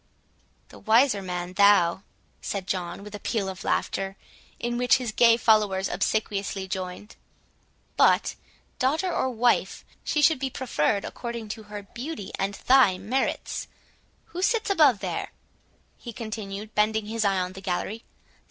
"The wiser man thou," said John, with a peal of laughter, in which his gay followers obsequiously joined. "But, daughter or wife, she should be preferred according to her beauty and thy merits.—Who sits above there?" he continued, bending his eye on the gallery.